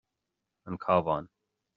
An Cabhán